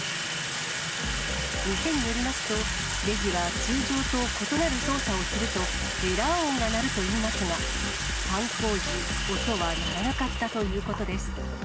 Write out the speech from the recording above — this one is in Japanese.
店によりますと、レジは通常と異なる操作をすると、エラー音が鳴るといいますが、犯行時、音は鳴らなかったということです。